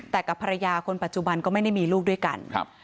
แต่กับภรรยาคนปัจจุบันก็ไม่ได้มีลูกด้วยกันครับ